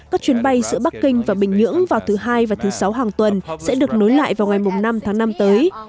các chuyến bay giữa bắc kinh và bình nhưỡng vào thứ hai và thứ sáu hàng tuần sẽ được nối lại vào ngày năm tháng năm tới